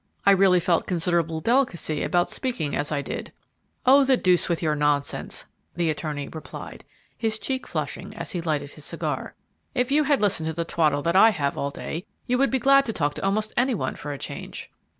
I really felt considerable delicacy about speaking as I did." "Oh, to the deuce with your nonsense!" the attorney replied, his cheek flushing as he lighted his cigar. "If you had listened to the twaddle that I have all day, you would be glad to talk to almost any one for a change."